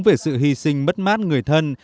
về sự hy sinh mất mát người thân